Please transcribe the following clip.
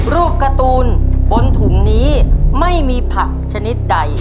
รูปการ์ตูนบนถุงนี้ไม่มีผักชนิดใด